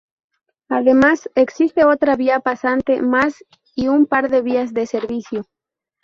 Además existe otra vía pasante más y un par de vías de servicio.